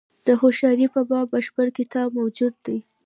د هوښیاري په باب بشپړ کتاب موجود دی.